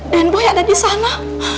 boy ada di sana